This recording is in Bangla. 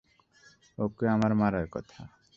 ওকে আমার মারার কথা।